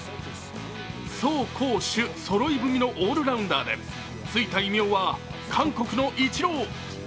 走攻守そろい踏みのオールラウンダーでついた異名は韓国のイチロー。